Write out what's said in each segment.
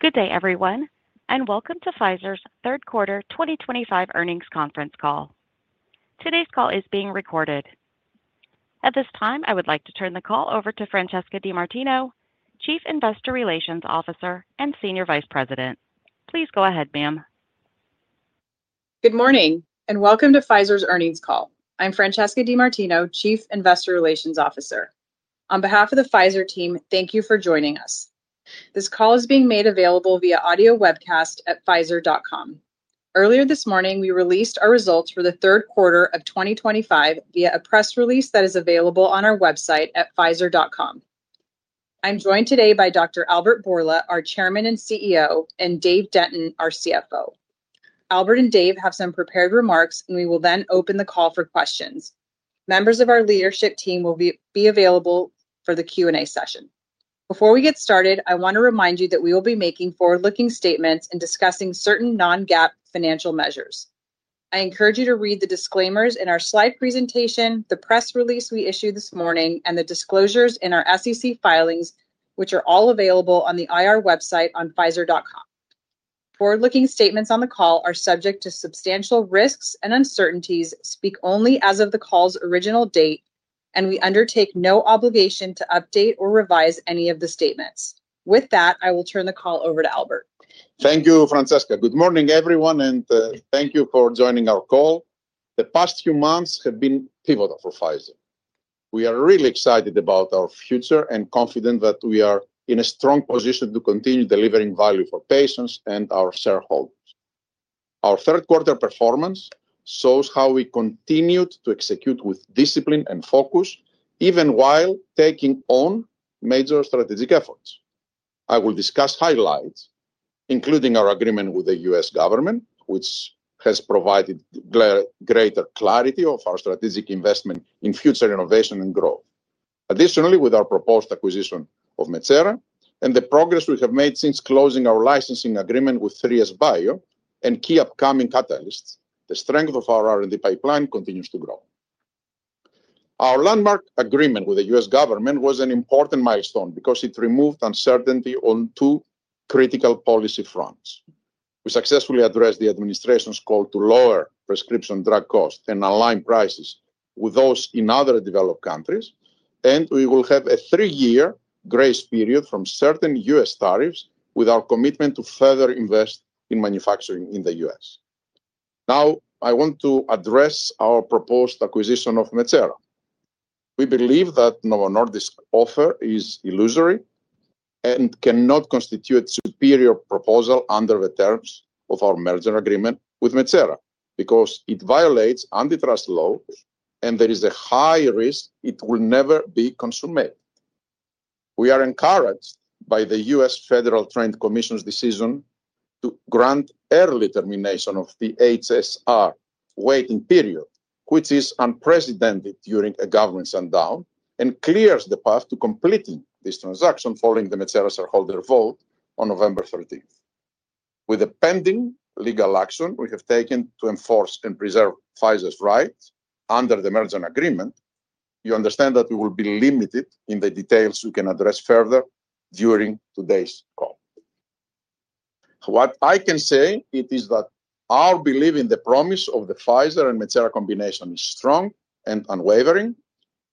Good day, everyone, and welcome to Pfizer's Third-Quarter 2025 earnings conference call. Today's call is being recorded. At this time, I would like to turn the call over to Francesca DeMartino, Chief Investor Relations Officer and Senior Vice President. Please go ahead, ma'am. Good morning and welcome to Pfizer's earnings call. I'm Francesca DeMartino, Chief Investor Relations Officer. On behalf of the Pfizer team, thank you for joining us. This call is being made available via audio webcast at pfizer.com. Earlier this morning, we released our results for the third quarter of 2025 via a press release that is available on our website at pfizer.com. I'm joined today by Dr. Albert Bourla, our Chairman and CEO, and Dave Denton, our CFO. Albert and Dave have some prepared remarks, and we will then open the call for questions. Members of our leadership team will be available for the Q&A session. Before we get started, I want to remind you that we will be making forward-looking statements and discussing certain non-GAAP financial measures. I encourage you to read the disclaimers in our slide presentation, the press release we issued this morning, and the disclosures in our SEC filings, which are all available on the IR website on pfizer.com. Forward-looking statements on the call are subject to substantial risks and uncertainties, speak only as of the call's original date, and we undertake no obligation to update or revise any of the statements. With that, I will turn the call over to Albert. Thank you, Francesca. Good morning, everyone, and thank you for joining our call. The past few months have been pivotal for Pfizer. We are really excited about our future and confident that we are in a strong position to continue delivering value for patients and our shareholders. Our third-quarter performance shows how we continued to execute with discipline and focus, even while taking on major strategic efforts. I will discuss highlights, including our agreement with the U.S. Government, which has provided greater clarity of our strategic investment in future innovation and growth. Additionally, with our proposed acquisition of Metsera and the progress we have made since closing our licensing agreement with 3SBio and key upcoming catalysts, the strength of our R&D pipeline continues to grow. Our landmark agreement with the U.S. Government was an important milestone because it removed uncertainty on two critical policy fronts. We successfully addressed the administration's call to lower prescription drug costs and align prices with those in other developed countries, and we will have a three-year grace period from certain U.S. tariffs with our commitment to further invest in manufacturing in the U.S. Now, I want to address our proposed acquisition of Metsera. We believe that Novo Nordisk's offer is illusory and cannot constitute a superior proposal under the terms of our merger agreement with Metsera because it violates antitrust laws, and there is a high risk it will never be consummated. We are encouraged by the U.S. Federal Trade Commission's decision to grant early termination of the HSR waiting period, which is unprecedented during a government shutdown, and clears the path to completing this transaction following the Metsera shareholder vote on November 13th. With the pending legal action we have taken to enforce and preserve Pfizer's rights under the merger agreement, you understand that we will be limited in the details we can address further during today's call. What I can say is that our belief in the promise of the Pfizer and Metsera combination is strong and unwavering.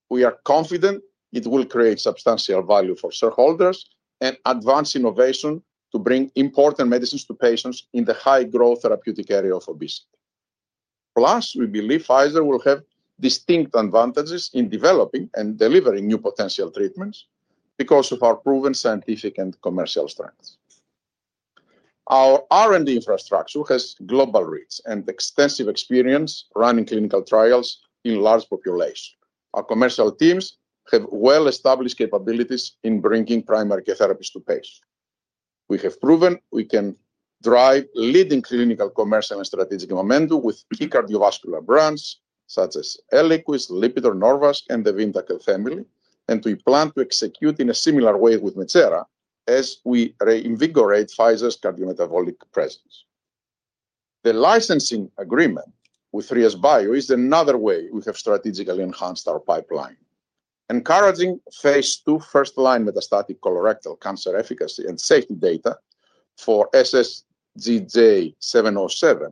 We are confident it will create substantial value for shareholders and advance innovation to bring important medicines to patients in the high-growth therapeutic area of obesity. Plus, we believe Pfizer will have distinct advantages in developing and delivering new potential treatments because of our proven scientific and commercial strengths. Our R&D infrastructure has global reach and extensive experience running clinical trials in large populations. Our commercial teams have well-established capabilities in bringing primary care therapies to patients. We have proven we can drive leading clinical, commercial, and strategic momentum with key cardiovascular brands such as ELIQUIS, LIPITOR, NORVASC, and the VYNDAQEL family, and we plan to execute in a similar way with Metsera as we reinvigorate Pfizer's cardiometabolic presence. The licensing agreement with 3SBio is another way we have strategically enhanced our pipeline. Encouraging phase II first-line metastatic colorectal cancer efficacy and safety data for SSGJ-707,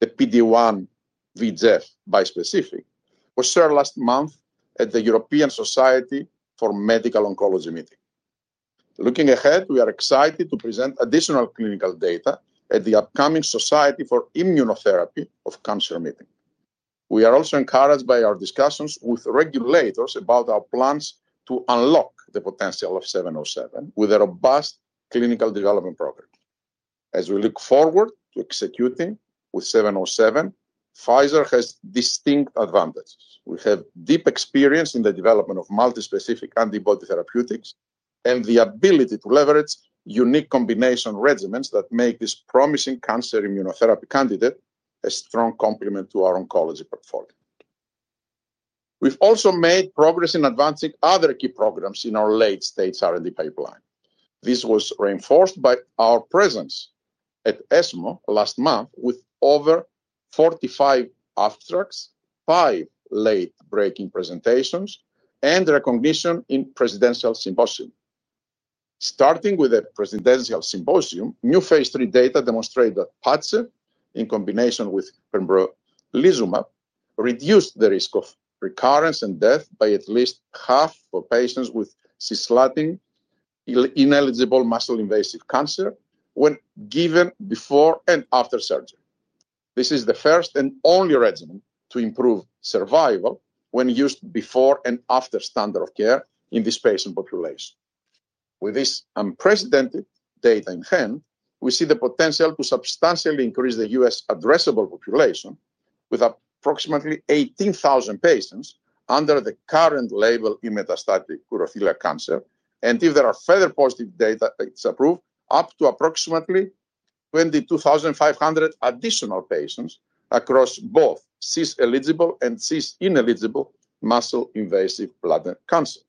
the PD-1/VEGF bispecific, was shared last month at the European Society for Medical Oncology meeting. Looking ahead, we are excited to present additional clinical data at the upcoming Society for Immunotherapy of Cancer meeting. We are also encouraged by our discussions with regulators about our plans to unlock the potential of 707 with a robust clinical development program. As we look forward to executing with 707, Pfizer has distinct advantages. We have deep experience in the development of multispecific antibody therapeutics and the ability to leverage unique combination regimens that make this promising cancer immunotherapy candidate a strong complement to our oncology portfolio. We've also made progress in advancing other key programs in our late-stage R&D pipeline. This was reinforced by our presence at ESMO last month with over 45 abstracts, five late-breaking presentations, and recognition in Presidential Symposium. Starting with the Presidential Symposium, new phase III data demonstrated that PADCEV, in combination with pembrolizumab, reduced the risk of recurrence and death by at least half for patients with cisplatin-ineligible muscle-invasive cancer when given before and after surgery. This is the first and only regimen to improve survival when used before and after standard of care in this patient population. With this unprecedented data in hand, we see the potential to substantially increase the U.S. addressable population with approximately 18,000 patients under the current label in metastatic urothelial cancer, and if there are further positive data that's approved, up to approximately 22,500 additional patients across both cis-eligible and cis-ineligible muscle-invasive bladder cancer.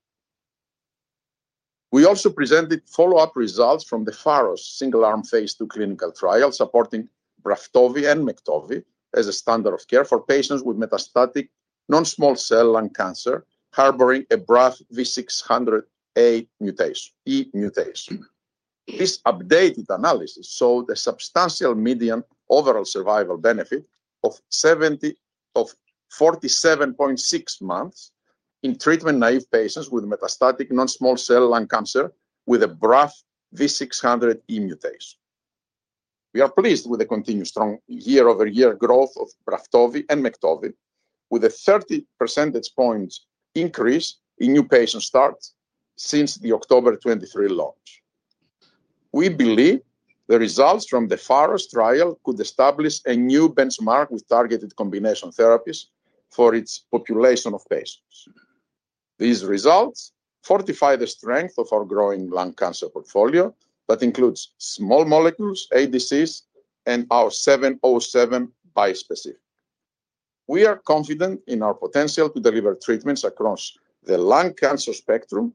We also presented follow-up results from the PHAROS single-arm phase II clinical trial supporting BRAFTOVI and MEKTOVI as a standard of care for patients with metastatic non-small cell lung cancer harboring a BRAF V600E mutation. This updated analysis showed a substantial median overall survival benefit of 47.6 months in treatment-naive patients with metastatic non-small cell lung cancer with a BRAF V600E mutation. We are pleased with the continued strong year-over-year growth of BRAFTOVI and MEKTOVI, with a 30 percentage points increase in new patient starts since the October 2023 launch. We believe the results from the PHAROS trial could establish a new benchmark with targeted combination therapies for its population of patients. These results fortify the strength of our growing lung cancer portfolio that includes small molecules, ADCs, and our 707 bispecific. We are confident in our potential to deliver treatments across the lung cancer spectrum,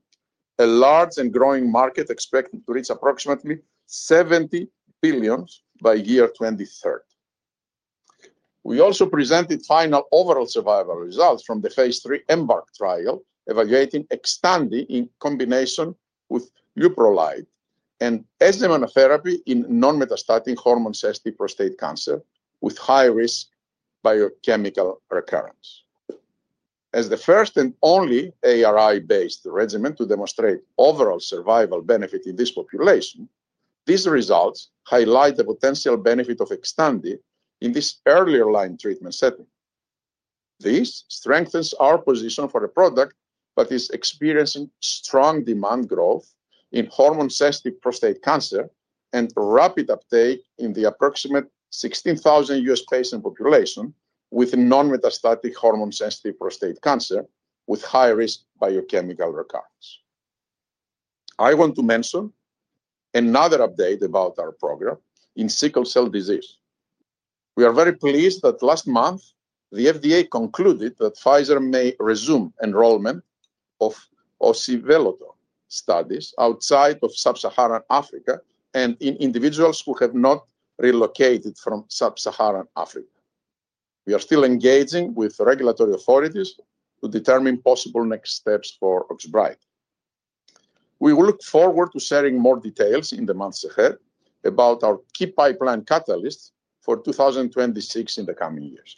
a large and growing market expected to reach approximately $70 billion by 2023. We also presented final overall survival results from the phase III EMBARK trial, evaluating XTANDI in combination with leuprolide and as a monotherapy in non-metastatic hormone-sensitive prostate cancer with high-risk biochemical recurrence. As the first and only ARI-based regimen to demonstrate overall survival benefit in this population, these results highlight the potential benefit of XTANDI in this earlier line treatment setting. This strengthens our position for a product that is experiencing strong demand growth in hormone-sensitive prostate cancer and rapid uptake in the approximate 16,000 U.S. patient population with non-metastatic hormone-sensitive prostate cancer with high-risk biochemical recurrence. I want to mention another update about our program in sickle cell disease. We are very pleased that last month, the FDA concluded that Pfizer may resume enrollment of osivelotor studies outside of sub-Saharan Africa and in individuals who have not relocated from sub-Saharan Africa. We are still engaging with regulatory authorities to determine possible next steps for OXBRYTA. We will look forward to sharing more details in the months ahead about our key pipeline catalysts for 2026 in the coming years.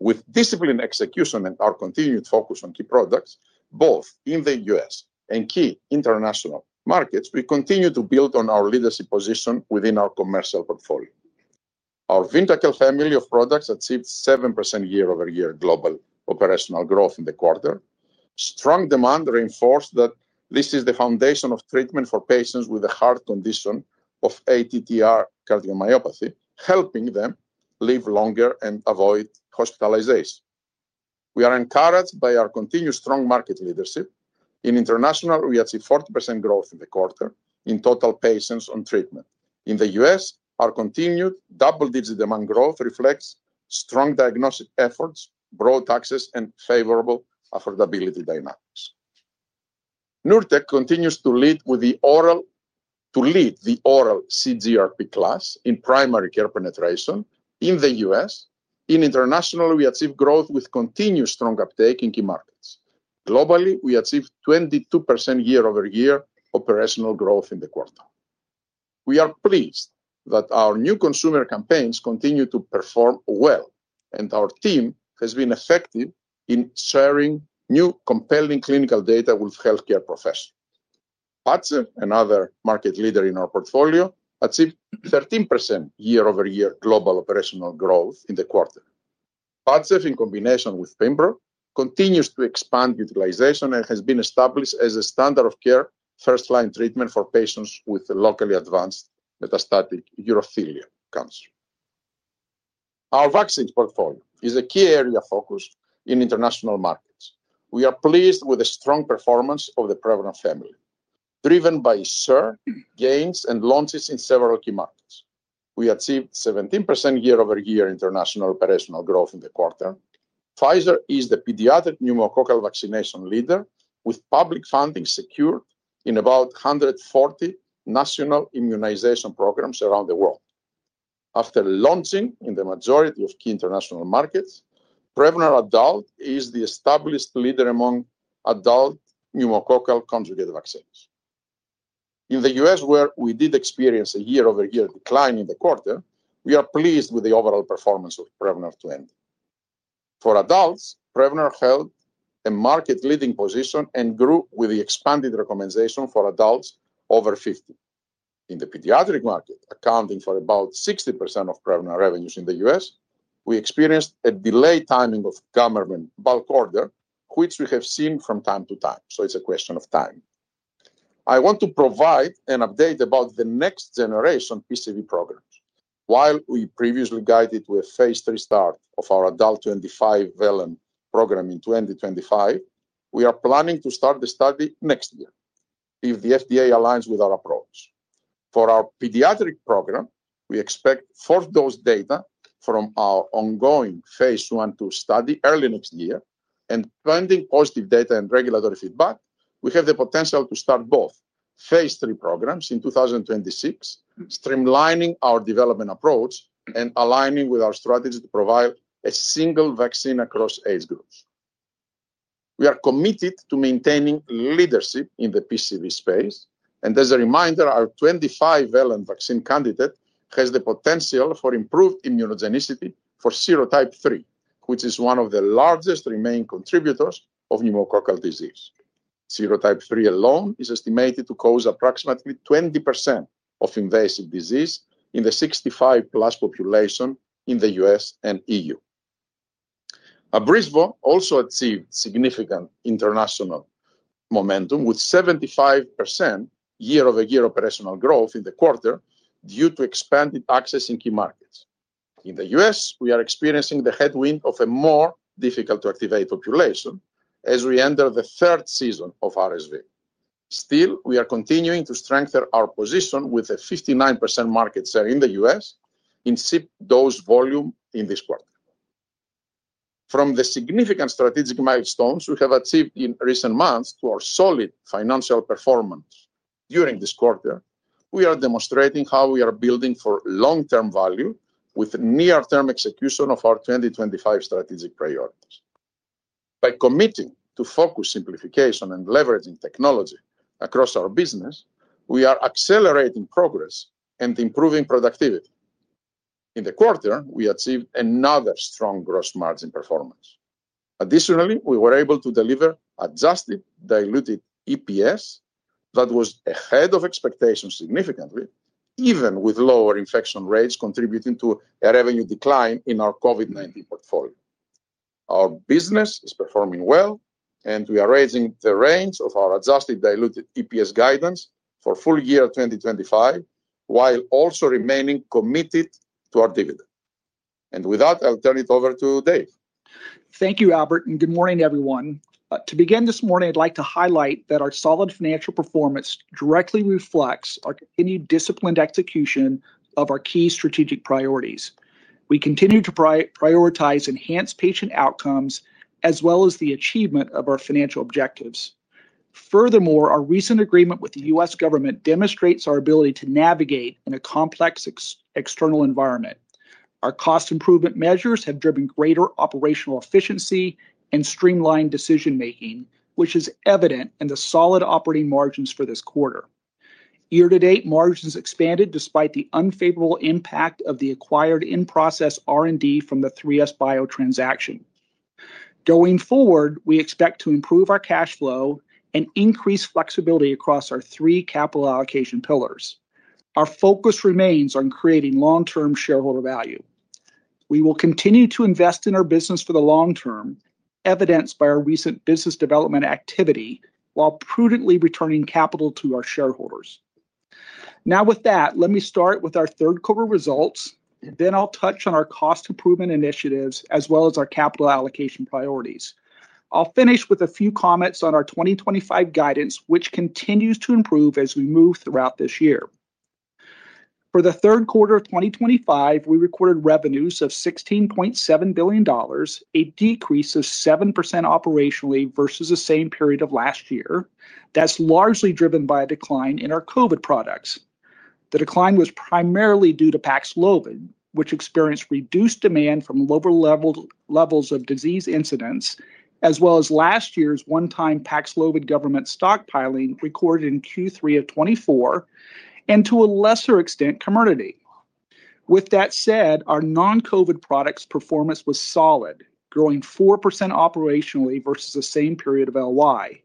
With discipline execution and our continued focus on key products, both in the U.S. and key international markets, we continue to build on our leadership position within our commercial portfolio. Our VYNDAQEL family of products achieved 7% year-over-year global operational growth in the quarter. Strong demand reinforced that this is the foundation of treatment for patients with a heart condition of ATTR cardiomyopathy, helping them live longer and avoid hospitalization. We are encouraged by our continued strong market leadership. In international, we achieved 40% growth in the quarter in total patients on treatment. In the U.S., our continued double-digit demand growth reflects strong diagnostic efforts, broad access, and favorable affordability dynamics. NURTEC continues to lead with the oral CGRP class in primary care penetration in the U.S. In international, we achieved growth with continued strong uptake in key markets. Globally, we achieved 22% year-over-year operational growth in the quarter. We are pleased that our new consumer campaigns continue to perform well, and our team has been effective in sharing new compelling clinical data with healthcare professionals. PADCEV, another market leader in our portfolio, achieved 13% year-over-year global operational growth in the quarter. PADCEV, in combination with pembro, continues to expand utilization and has been established as a standard of care first-line treatment for patients with locally advanced metastatic urothelial cancer. Our vaccines portfolio is a key area of focus in international markets. We are pleased with the strong performance of the PREVNAR family, driven by share gains and launches in several key markets. We achieved 17% year-over-year international operational growth in the quarter. Pfizer is the pediatric pneumococcal vaccination leader with public funding secured in about 140 national immunization programs around the world. After launching in the majority of key international markets, PREVNAR Adult is the established leader among adult pneumococcal conjugated vaccines. In the U.S., where we did experience a year-over-year decline in the quarter, we are pleased with the overall performance of PREVNAR 20. For adults, PREVNAR held a market-leading position and grew with the expanded recommendation for adults over 50. In the pediatric market, accounting for about 60% of PREVNAR revenues in the U.S., we experienced a delayed timing of government bulk order, which we have seen from time to time. So it's a question of timing. I want to provide an update about the next generation PCV programs. While we previously guided with a phase III start of our adult 25-valent program in 2025, we are planning to start the study next year if the FDA aligns with our approach. For our pediatric program, we expect fourth-dose data from our ongoing phase I/II study early next year, and pending positive data and regulatory feedback, we have the potential to start both phase III programs in 2026, streamlining our development approach and aligning with our strategy to provide a single vaccine across age groups. We are committed to maintaining leadership in the PCV space, and as a reminder, our 25-valent vaccine candidate has the potential for improved immunogenicity for serotype 3, which is one of the largest remaining contributors of pneumococcal disease. Serotype 3 alone is estimated to cause approximately 20% of invasive disease in the 65+ population in the U.S. and EU. ABRYSVO also achieved significant international momentum with 75% year-over-year operational growth in the quarter due to expanded access in key markets. In the U.S., we are experiencing the headwind of a more difficult-to-activate population as we enter the third season of RSV. Still, we are continuing to strengthen our position with a 59% market share in the U.S. in shipped-dose volume in this quarter. From the significant strategic milestones we have achieved in recent months to our solid financial performance during this quarter, we are demonstrating how we are building for long-term value with near-term execution of our 2025 strategic priorities. By committing to focus simplification and leveraging technology across our business, we are accelerating progress and improving productivity. In the quarter, we achieved another strong gross margin performance. Additionally, we were able to deliver adjusted diluted EPS that was ahead of expectations significantly, even with lower infection rates contributing to a revenue decline in our COVID-19 portfolio. Our business is performing well, and we are raising the range of our adjusted diluted EPS guidance for full year 2025 while also remaining committed to our dividend, and with that, I'll turn it over to Dave. Thank you, Albert, and good morning, everyone. To begin this morning, I'd like to highlight that our solid financial performance directly reflects our continued disciplined execution of our key strategic priorities. We continue to prioritize enhanced patient outcomes as well as the achievement of our financial objectives. Furthermore, our recent agreement with the U.S. Government demonstrates our ability to navigate in a complex external environment. Our cost improvement measures have driven greater operational efficiency and streamlined decision-making, which is evident in the solid operating margins for this quarter. Year-to-date margins expanded despite the unfavorable impact of the acquired in-process R&D from the 3SBio transaction. Going forward, we expect to improve our cash flow and increase flexibility across our three capital allocation pillars. Our focus remains on creating long-term shareholder value. We will continue to invest in our business for the long term, evidenced by our recent business development activity while prudently returning capital to our shareholders. Now, with that, let me start with our third quarter results, and then I'll touch on our cost improvement initiatives as well as our capital allocation priorities. I'll finish with a few comments on our 2025 guidance, which continues to improve as we move throughout this year. For the third quarter of 2025, we recorded revenues of $16.7 billion, a decrease of 7% operationally versus the same period of last year. That's largely driven by a decline in our COVID products. The decline was primarily due to PAXLOVID, which experienced reduced demand from lower levels of disease incidence, as well as last year's one-time PAXLOVID government stockpiling recorded in Q3 of 2024. And to a lesser extent, COMIRNATY. With that said, our non-COVID products performance was solid, growing 4% operationally versus the same period of LY.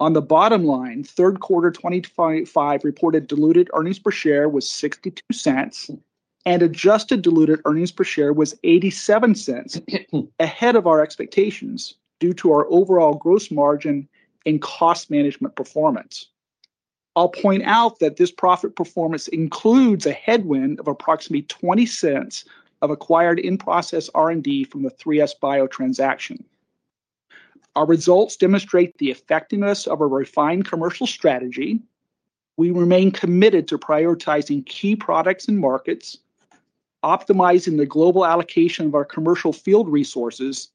On the bottom line, third quarter 2025 reported diluted earnings per share was $0.62, and adjusted diluted earnings per share was $0.87 ahead of our expectations due to our overall gross margin and cost management performance. I'll point out that this profit performance includes a headwind of approximately $0.20 of acquired in-process R&D from the 3SBio transaction. Our results demonstrate the effectiveness of a refined commercial strategy. We remain committed to prioritizing key products and markets, optimizing the global allocation of our commercial field resources,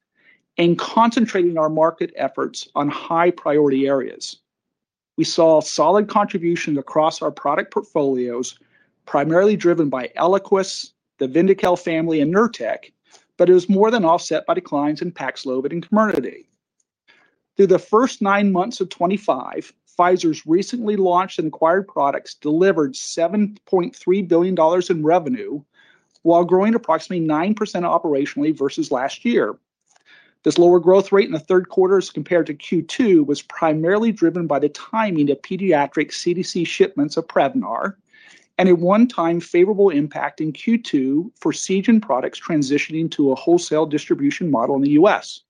and concentrating our market efforts on high-priority areas. We saw solid contributions across our product portfolios, primarily driven by ELIQUIS, the VYNDAQEL family, and NURTEC, but it was more than offset by declines in PAXLOVID and COMIRNATY. Through the first nine months of 2025, Pfizer's recently launched and acquired products delivered $7.3 billion in revenue while growing approximately 9% operationally versus last year. This lower growth rate in the third quarter as compared to Q2 was primarily driven by the timing of pediatric CDC shipments of PREVNAR and a one-time favorable impact in Q2 for Seagen products transitioning to a wholesale distribution model in the U.S.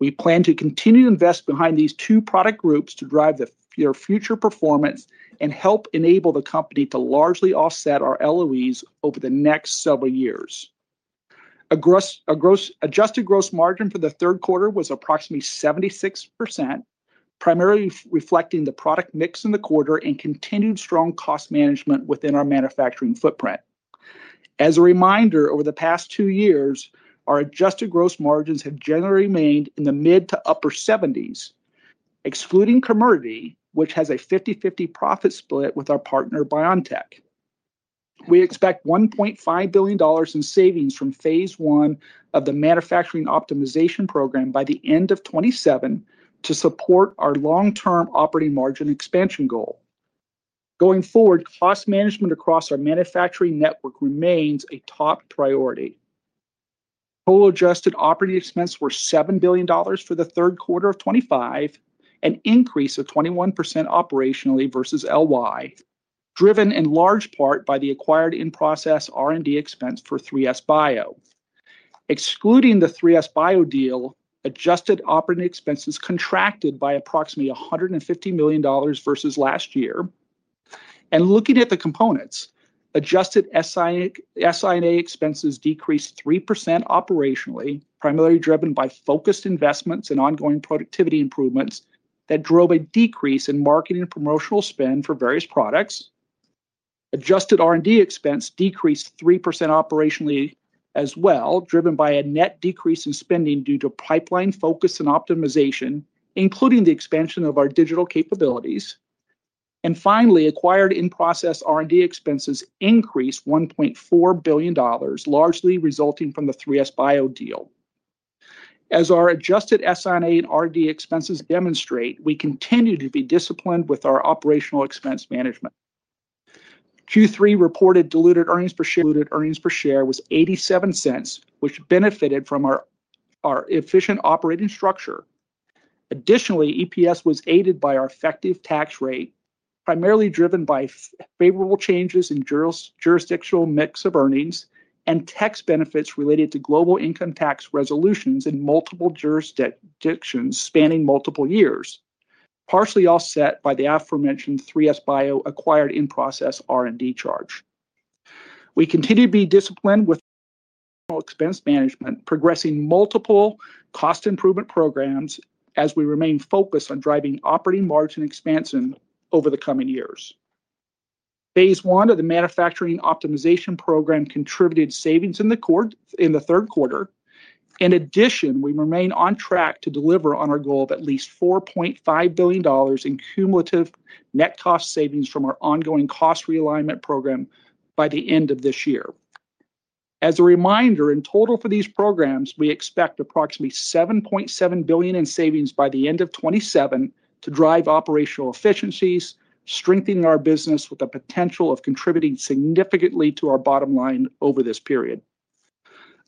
We plan to continue to invest behind these two product groups to drive their future performance and help enable the company to largely offset our LOEs over the next several years. Adjusted gross margin for the third quarter was approximately 76%, primarily reflecting the product mix in the quarter and continued strong cost management within our manufacturing footprint. As a reminder, over the past two years, our adjusted gross margins have generally remained in the mid to upper 70s. Excluding COMIRNATY, which has a 50/50 profit split with our partner BioNTech. We expect $1.5 billion in savings from phase I of the manufacturing optimization program by the end of 2027 to support our long-term operating margin expansion goal. Going forward, cost management across our manufacturing network remains a top priority. Total adjusted operating expenses were $7 billion for the third quarter of 2025, an increase of 21% operationally versus LY, driven in large part by the acquired in-process R&D expense for 3SBio. Excluding the 3SBio deal, adjusted operating expenses contracted by approximately $150 million versus last year. Looking at the components, adjusted SI&A expenses decreased 3% operationally, primarily driven by focused investments and ongoing productivity improvements that drove a decrease in marketing and promotional spend for various products. Adjusted R&D expenses decreased 3% operationally as well, driven by a net decrease in spending due to pipeline focus and optimization, including the expansion of our digital capabilities. And finally, acquired in-process R&D expenses increased $1.4 billion, largely resulting from the 3SBio deal. As our adjusted SI&A and R&D expenses demonstrate, we continue to be disciplined with our operational expense management. Q3 reported diluted earnings per share was $0.87, which benefited from our efficient operating structure. Additionally, EPS was aided by our effective tax rate, primarily driven by favorable changes in jurisdictional mix of earnings and tax benefits related to global income tax resolutions in multiple jurisdictions spanning multiple years, partially offset by the aforementioned 3SBio acquired in-process R&D charge. We continue to be disciplined with expense management, progressing multiple cost improvement programs as we remain focused on driving operating margin expansion over the coming years. Phase I of the Manufacturing Optimization Program contributed savings in the third quarter. In addition, we remain on track to deliver on our goal of at least $4.5 billion in cumulative net cost savings from our ongoing cost realignment program by the end of this year. As a reminder, in total for these programs, we expect approximately $7.7 billion in savings by the end of 2027 to drive operational efficiencies, strengthening our business with the potential of contributing significantly to our bottom line over this period.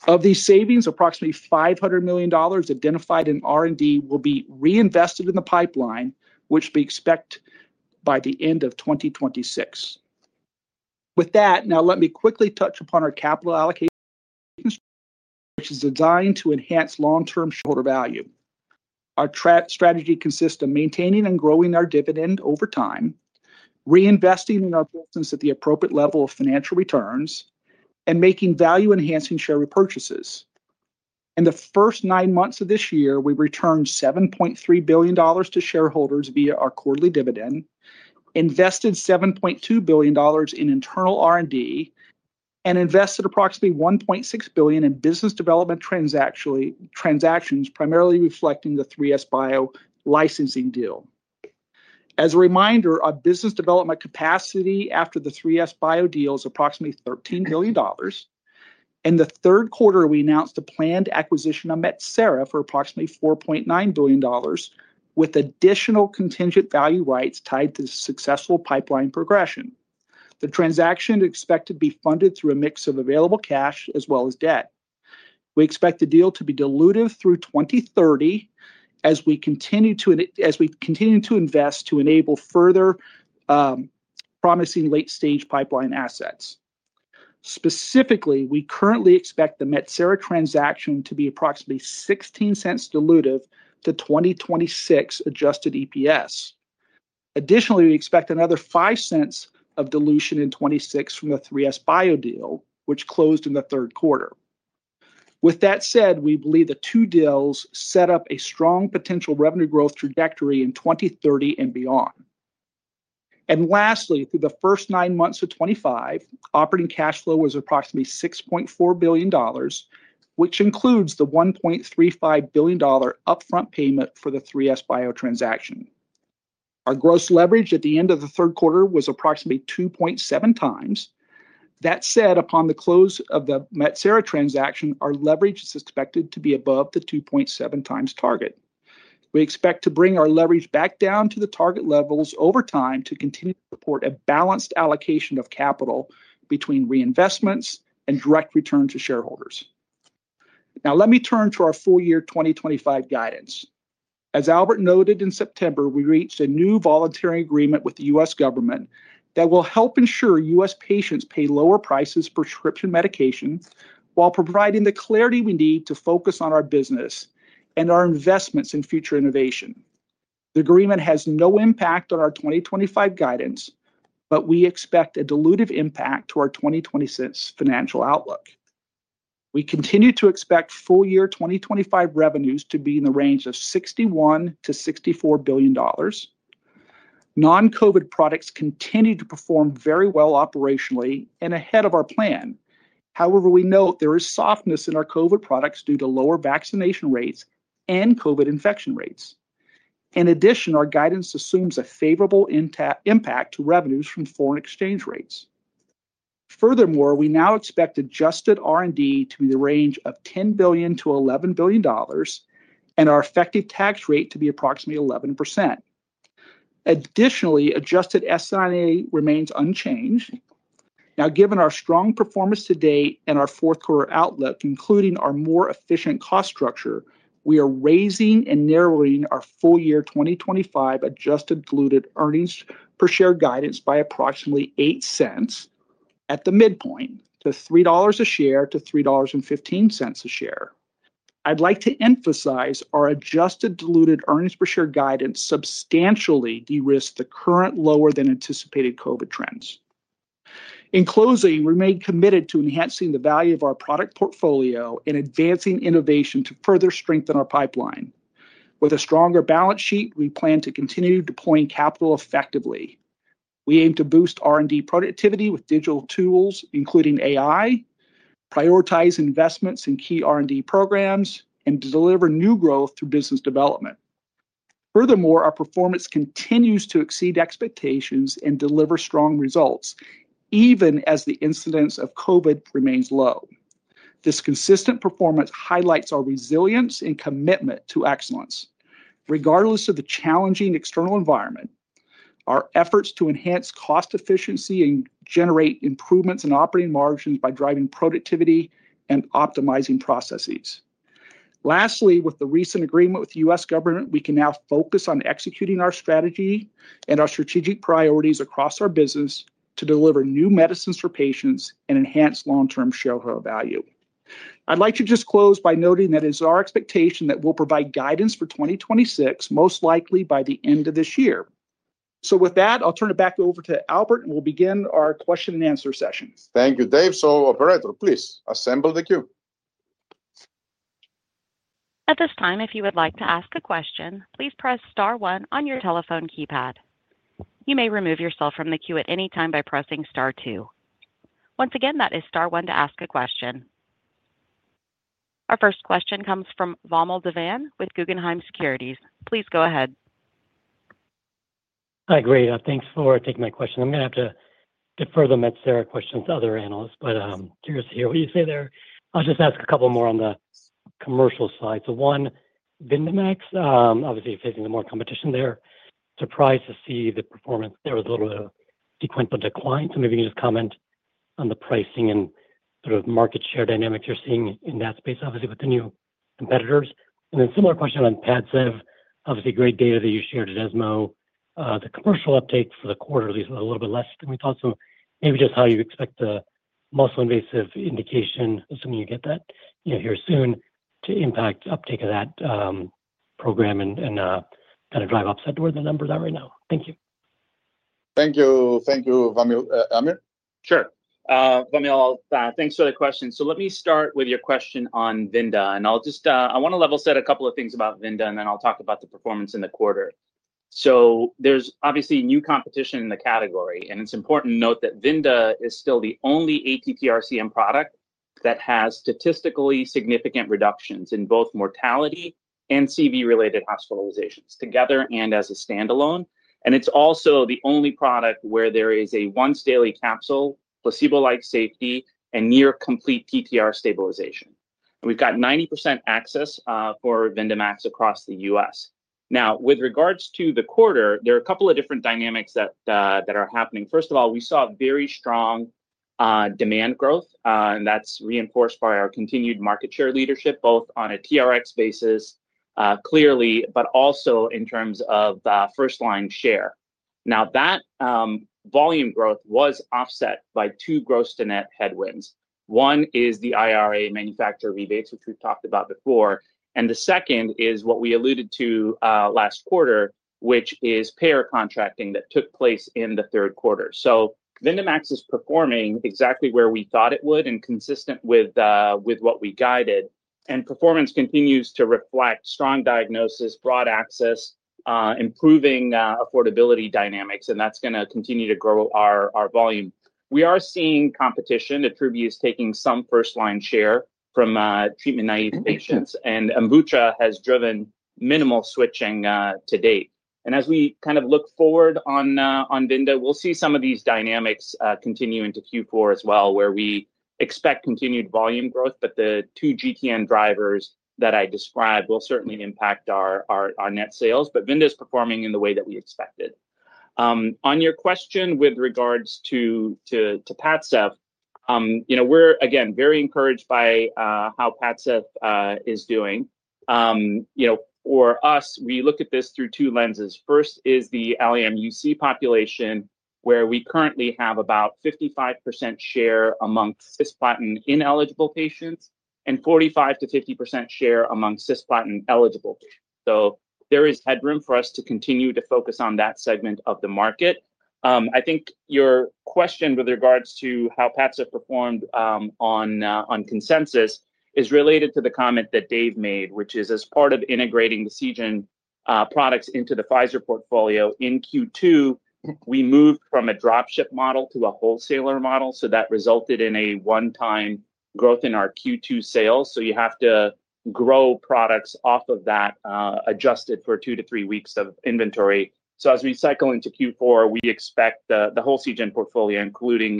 Of these savings, approximately $500 million identified in R&D will be reinvested in the pipeline, which we expect by the end of 2026. With that, now let me quickly touch upon our capital allocation, which is designed to enhance long-term shareholder value. Our strategy consists of maintaining and growing our dividend over time, reinvesting in our business at the appropriate level of financial returns, and making value-enhancing share repurchases. In the first nine months of this year, we returned $7.3 billion to shareholders via our quarterly dividend, invested $7.2 billion in internal R&D, and invested approximately $1.6 billion in business development transactions, primarily reflecting the 3SBio licensing deal. As a reminder, our business development capacity after the 3SBio deal is approximately $13 billion. In the third quarter, we announced a planned acquisition of Metsera for approximately $4.9 billion, with additional contingent value rights tied to successful pipeline progression. The transaction is expected to be funded through a mix of available cash as well as debt. We expect the deal to be dilutive through 2030 as we continue to invest to enable further promising late-stage pipeline assets. Specifically, we currently expect the Metsera transaction to be approximately $0.16 diluted to 2026 adjusted EPS. Additionally, we expect another $0.05 of dilution in 2026 from the 3SBio deal, which closed in the third quarter. With that said, we believe the two deals set up a strong potential revenue growth trajectory in 2030 and beyond. Lastly, through the first nine months of 2025, operating cash flow was approximately $6.4 billion, which includes the $1.35 billion upfront payment for the 3SBio transaction. Our gross leverage at the end of the third quarter was approximately 2.7x. That said, upon the close of the Metsera transaction, our leverage is expected to be above the 2.7x target. We expect to bring our leverage back down to the target levels over time to continue to support a balanced allocation of capital between reinvestments and direct returns to shareholders. Now, let me turn to our full year 2025 guidance. As Albert noted in September, we reached a new voluntary agreement with the U.S. Government that will help ensure U.S. patients pay lower prices for prescription medication while providing the clarity we need to focus on our business and our investments in future innovation. The agreement has no impact on our 2025 guidance, but we expect a diluted impact to our 2026 financial outlook. We continue to expect full year 2025 revenues to be in the range of $61 billion-$64 billion. Non-COVID products continue to perform very well operationally and ahead of our plan. However, we note there is softness in our COVID products due to lower vaccination rates and COVID infection rates. In addition, our guidance assumes a favorable impact to revenues from foreign exchange rates. Furthermore, we now expect adjusted R&D to be in the range of $10 billion-$11 billion. And our effective tax rate to be approximately 11%. Additionally, adjusted SI&A remains unchanged. Now, given our strong performance to date and our fourth quarter outlook, including our more efficient cost structure, we are raising and narrowing our full year 2025 adjusted diluted earnings per share guidance by approximately $0.08. At the midpoint, to $3 a share to $3.15 a share. I'd like to emphasize our adjusted diluted earnings per share guidance substantially de-risked the current lower-than-anticipated COVID trends. In closing, we remain committed to enhancing the value of our product portfolio and advancing innovation to further strengthen our pipeline. With a stronger balance sheet, we plan to continue deploying capital effectively. We aim to boost R&D productivity with digital tools, including AI, prioritize investments in key R&D programs, and deliver new growth through business development. Furthermore, our performance continues to exceed expectations and deliver strong results, even as the incidence of COVID remains low. This consistent performance highlights our resilience and commitment to excellence, regardless of the challenging external environment. Our efforts to enhance cost efficiency and generate improvements in operating margins by driving productivity and optimizing processes. Lastly, with the recent agreement with the U.S. Government, we can now focus on executing our strategy and our strategic priorities across our business to deliver new medicines for patients and enhance long-term shareholder value. I'd like to just close by noting that it is our expectation that we'll provide guidance for 2026, most likely by the end of this year. So with that, I'll turn it back over to Albert, and we'll begin our question and answer session. Thank you, Dave. So, Operator, please assemble the queue. At this time, if you would like to ask a question, please press star one on your telephone keypad. You may remove yourself from the queue at any time by pressing star two. Once again, that is star one to ask a question. Our first question comes from Vamil Divan with Guggenheim Securities. Please go ahead. Hi. Great. Thanks for taking my question. I'm going to have to defer the Metsera questions to other analysts, but I'm curious to hear what you say there. I'll just ask a couple more on the commercial side. So one, VYNDAMAX, obviously facing more competition there. Surprised to see the performance. There was a little bit of a sequential decline. So maybe you can just comment on the pricing and sort of market share dynamics you're seeing in that space, obviously, with the new competitors. And then similar question on PADCEV, obviously great data that you shared at ESMO. The commercial uptake for the quarter at least was a little bit less than we thought. So maybe just how you expect the muscle-invasive indication, assuming you get that here soon, to impact uptake of that program and kind of drive uptake toward the number that right now. Thank you. Thank you. Thank you, Vamil. Aamir? Sure. Vamil, thanks for the question. So let me start with your question on VYNDA. And I want to level set a couple of things about VYNDA, and then I'll talk about the performance in the quarter. So there's obviously new competition in the category, and it's important to note that VYNDA is still the only ATTR-CM product that has statistically significant reductions in both mortality and CV-related hospitalizations together and as a standalone. And it's also the only product where there is a once-daily capsule, placebo-like safety, and near-complete TTR stabilization. And we've got 90% access for VYNDAMAX across the U.S. Now, with regards to the quarter, there are a couple of different dynamics that are happening. First of all, we saw very strong demand growth, and that's reinforced by our continued market share leadership, both on a TRx basis clearly, but also in terms of first-line share. Now, that volume growth was offset by two gross-to-net headwinds. One is the IRA manufacturer rebates, which we've talked about before. And the second is what we alluded to last quarter, which is payer contracting that took place in the third quarter. So VYNDAMAX is performing exactly where we thought it would and consistent with what we guided. And performance continues to reflect strong diagnosis, broad access. Improving affordability dynamics, and that's going to continue to grow our volume. We are seeing competition, attributes taking some first-line share from treatment-naive patients, and AMVUTTRA has driven minimal switching to date. And as we kind of look forward on VYNDA, we'll see some of these dynamics continue into Q4 as well, where we expect continued volume growth, but the two GTN drivers that I described will certainly impact our net sales, but VYNDA is performing in the way that we expected. On your question with regards to PADCEV, we're again very encouraged by how PADCEV is doing. For us, we look at this through two lenses. First is the [la/mUC] population, where we currently have about 55% share among cisplatin-ineligible patients and 45%-50% share among cisplatin-eligible patients. So there is headroom for us to continue to focus on that segment of the market. I think your question with regards to how PADCEV performed on consensus is related to the comment that Dave made, which is as part of integrating the Seagen products into the Pfizer portfolio in Q2, we moved from a dropship model to a wholesaler model. So that resulted in a one-time growth in our Q2 sales. So you have to grow products off of that adjusted for two to three weeks of inventory. So as we cycle into Q4, we expect the whole Seagen portfolio, including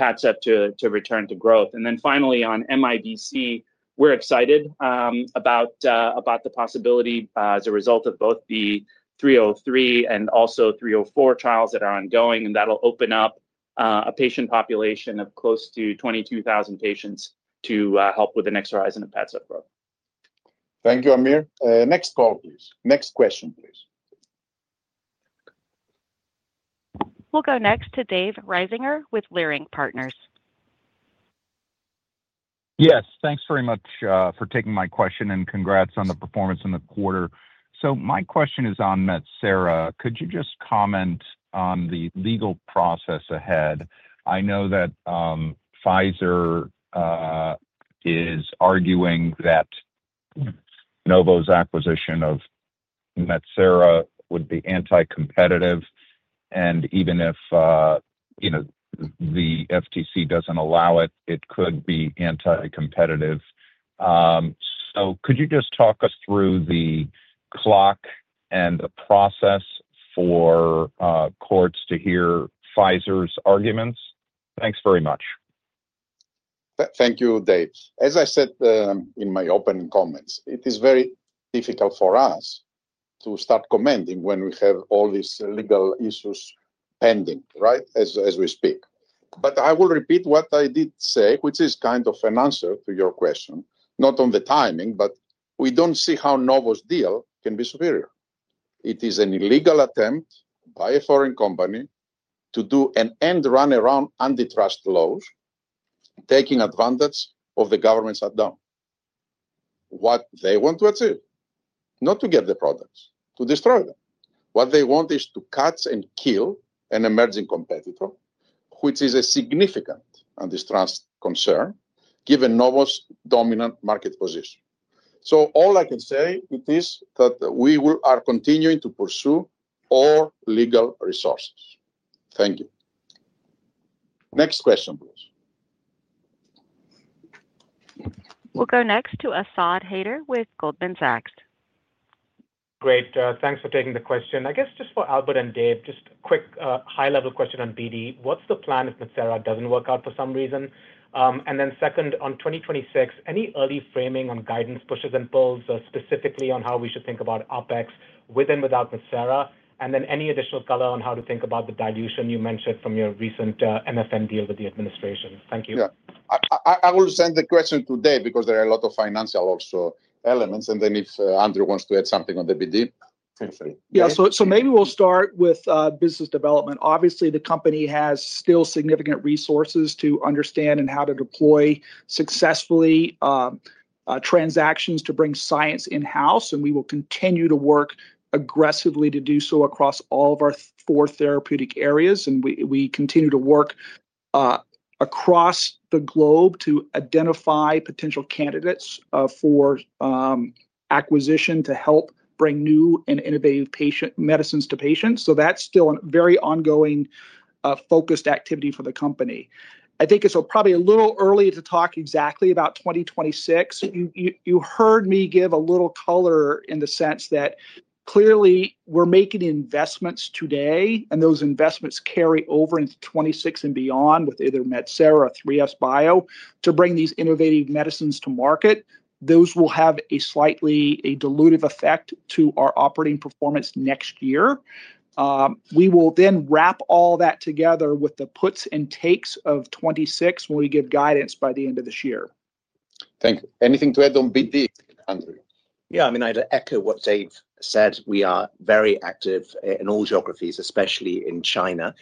PADCEV, to return to growth. And then finally, on MIDC, we're excited about the possibility as a result of both the 303 and also 304 trials that are ongoing, and that'll open up a patient population of close to 22,000 patients to help with the next horizon of PADCEV growth. Thank you, Aamir. Next call, please. Next question, please. We'll go next to Dave Risinger with Leerink Partners. Yes, thanks very much for taking my question and congrats on the performance in the quarter. So my question is on Metsera. Could you just comment on the legal process ahead? I know that Pfizer is arguing that Novo's acquisition of Metsera would be anti-competitive. And even if the FTC doesn't allow it, it could be anti-competitive. So could you just talk us through the clock and the process for courts to hear Pfizer's arguments? Thanks very much. Thank you, Dave. As I said in my opening comments, it is very difficult for us to start commenting when we have all these legal issues pending, right, as we speak. But I will repeat what I did say, which is kind of an answer to your question, not on the timing, but we don't see how Novo's deal can be superior. It is an illegal attempt by a foreign company to do an end run around antitrust laws. Taking advantage of the government's add-on. What they want to achieve is not to get the products, to destroy them. What they want is to cut and kill an emerging competitor, which is a significant antitrust concern given Novo's dominant market position. So all I can say is that we are continuing to pursue all legal resources. Thank you. Next question, please. We'll go next to Asad Haider with Goldman Sachs. Great. Thanks for taking the question. I guess just for Albert and Dave, just a quick high-level question on BD. What's the plan if Metsera doesn't work out for some reason? And then second, on 2026, any early framing on guidance, pushes, and pulls specifically on how we should think about OpEx with and without Metsera? And then any additional color on how to think about the dilution you mentioned from your recent MFN deal with the administration? Thank you. Yeah. I will send the question to Dave because there are a lot of financial also elements. And then if Andrew wants to add something on the BD. Yeah. So maybe we'll start with business development. Obviously, the company has still significant resources to understand and how to deploy successfully. Transactions to bring science in-house. And we will continue to work aggressively to do so across all of our four therapeutic areas. And we continue to work across the globe to identify potential candidates for acquisition to help bring new and innovative medicines to patients. So that's still a very ongoing focused activity for the company. I think it's probably a little early to talk exactly about 2026. You heard me give a little color in the sense that clearly we're making investments today, and those investments carry over into 2026 and beyond with either Metsera or 3SBio to bring these innovative medicines to market. Those will have a slightly dilutive effect to our operating performance next year. We will then wrap all that together with the puts and takes of 2026 when we give guidance by the end of this year. Thank you. Anything to add on BD, Andrew? Yeah. I mean, I'd echo what Dave said. We are very active in all geographies, especially in China.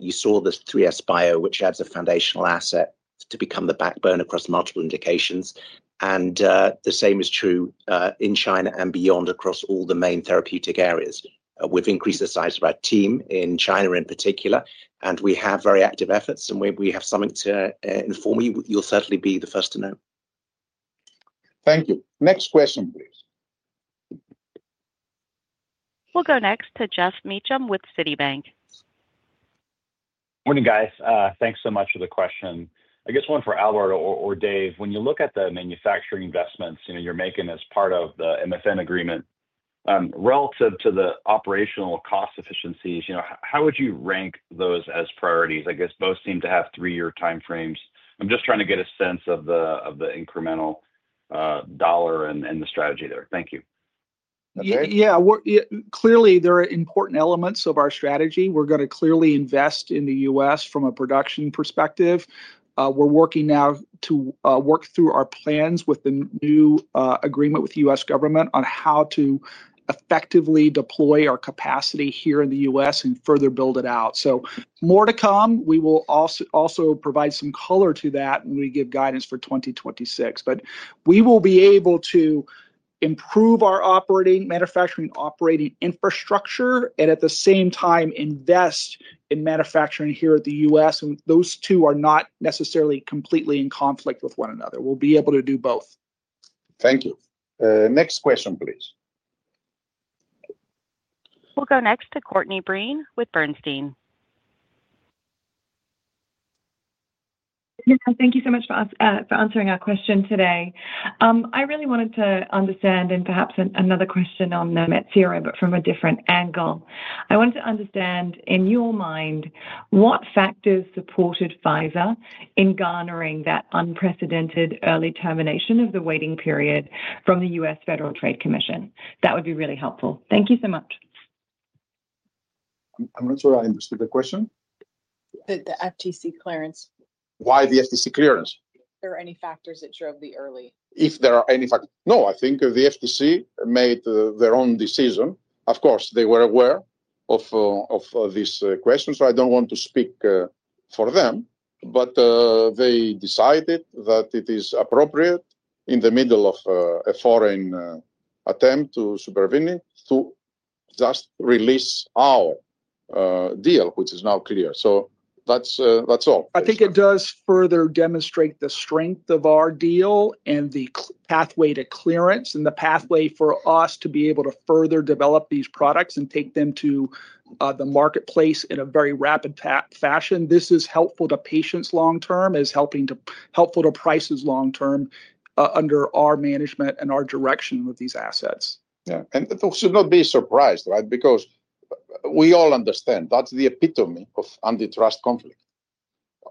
You saw the 3SBio, which adds a foundational asset to become the backbone across multiple indications. And the same is true in China and beyond across all the main therapeutic areas. We've increased the size of our team in China in particular, and we have very active efforts. And we have something to inform you. You'll certainly be the first to know. Thank you. Next question, please. We'll go next to Geoff Meacham with Citibank. Morning, guys. Thanks so much for the question. I guess one for Albert or Dave. When you look at the manufacturing investments you're making as part of the MFN agreement relative to the operational cost efficiencies, how would you rank those as priorities? I guess both seem to have three-year time frames. I'm just trying to get a sense of the incremental dollar and the strategy there. Thank you. Yeah. Clearly, there are important elements of our strategy. We're going to clearly invest in the U.S. from a production perspective. We're working now to work through our plans with the new agreement with the U.S. Government on how to effectively deploy our capacity here in the U.S. and further build it out. So more to come. We will also provide some color to that when we give guidance for 2026. But we will be able to improve our manufacturing operating infrastructure and at the same time invest in manufacturing here in the U.S. And those two are not necessarily completely in conflict with one another. We'll be able to do both. Thank you. Next question, please. We'll go next to Courtney Breen with Bernstein. Thank you so much for answering our question today. I really wanted to understand, and perhaps another question on the Metsera, but from a different angle. I wanted to understand, in your mind, what factors supported Pfizer in garnering that unprecedented early termination of the waiting period from the U.S. Federal Trade Commission? That would be really helpful. Thank you so much. I'm not sure I understood the question. The FTC clearance. Why the FTC clearance? If there are any factors that drove the early. No, I think the FTC made their own decision. Of course, they were aware of this question, so I don't want to speak for them. But they decided that it is appropriate in the middle of a foreign attempt to acquire to just release our deal, which is now clear. So that's all. I think it does further demonstrate the strength of our deal and the pathway to clearance and the pathway for us to be able to further develop these products and take them to the marketplace in a very rapid fashion. This is helpful to patients long-term, is helpful to patients long-term under our management and our direction with these assets. Yeah. And should not be surprised, right? Because we all understand that's the epitome of antitrust conflict.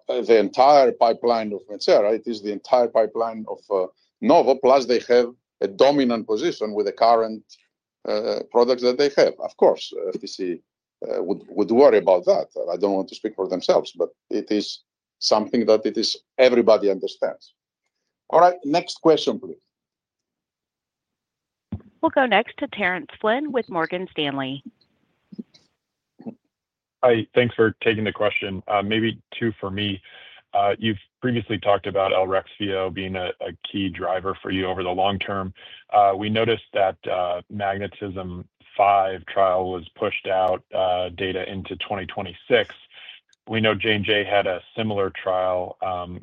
The entire pipeline of Metsera, it is the entire pipeline of Novo, plus they have a dominant position with the current products that they have. Of course, FTC would worry about that. I don't want to speak for them, but it is something that everybody understands. All right. Next question, please. We'll go next to Terence Flynn with Morgan Stanley. Hi. Thanks for taking the question. Maybe two for me. You've previously talked about ELREXFIO being a key driver for you over the long term. We noticed that MagnetisMM-5 trial was pushed out data into 2026. We know J&J had a similar trial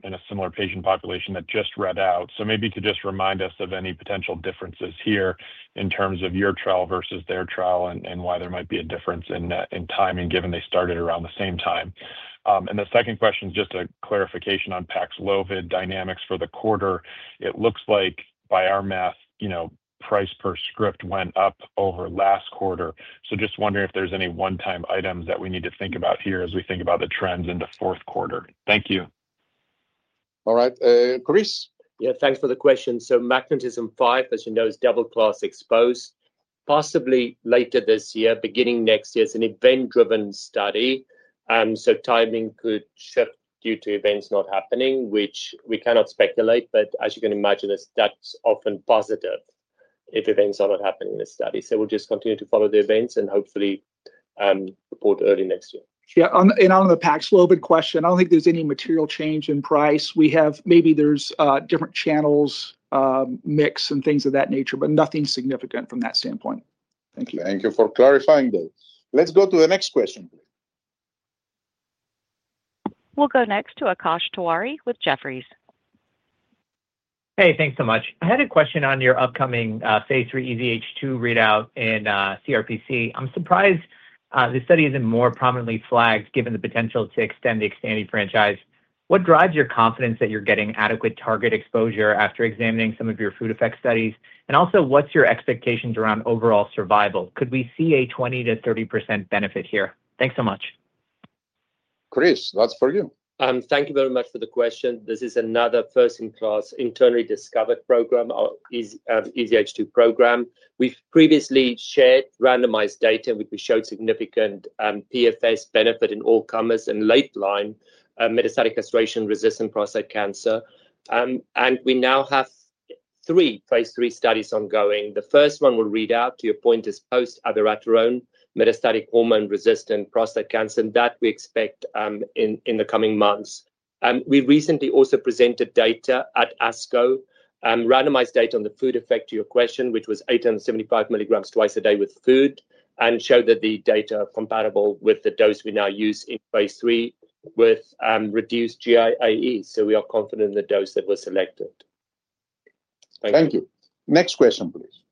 in a similar patient population that just read out. So maybe you could just remind us of any potential differences here in terms of your trial versus their trial and why there might be a difference in timing given they started around the same time. And the second question is just a clarification on PAXLOVID dynamics for the quarter. It looks like, by our math, price per script went up over last quarter. So just wondering if there's any onetime items that we need to think about here as we think about the trends into fourth quarter? Thank you. All right. Chris. Yeah. Thanks for the question. So MagnetisMM-5, as you know, is double-class exposed. Possibly later this year, beginning next year, it's an event-driven study. So timing could shift due to events not happening, which we cannot speculate. But as you can imagine, that's often positive if events are not happening in this study. So we'll just continue to follow the events and hopefully report early next year. Yeah. And on the PAXLOVID question, I don't think there's any material change in price. Maybe there's different channels mix and things of that nature, but nothing significant from that standpoint. Thank you. Thank you for clarifying those. Let's go to the next question, please. We'll go next to Akash Tewari with Jefferies. Hey, thanks so much. I had a question on your upcoming phase III EZH2 readout in CRPC. I'm surprised the study isn't more prominently flagged given the potential to extend the XTANDI franchise. What drives your confidence that you're getting adequate target exposure after examining some of your food effect studies? And also, what's your expectations around overall survival? Could we see a 20%-30% benefit here? Thanks so much. Chris, that's for you. Thank you very much for the question. This is another first-in-class internally discovered program. EZH2 program. We've previously shared randomized data, which showed significant PFS benefit in all comers and late-line metastatic castration-resistant prostate cancer. And we now have three phase III studies ongoing. The first one we'll read out, to your point, is post-abiraterone metastatic hormone-resistant prostate cancer, and that we expect in the coming months. We recently also presented data at ASCO, randomized data on the food effect to your question, which was 875 mg twice a day with food, and showed that the data are compatible with the dose we now use in phase III with reduced GIAEs. So we are confident in the dose that was selected. Thank you. Thank you. Next question, please.